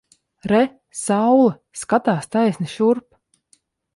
Re! Saule! Skatās taisni šurp!